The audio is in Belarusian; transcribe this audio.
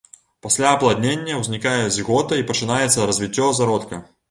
Пасля апладнення ўзнікае зігота і пачынаецца развіццё зародка.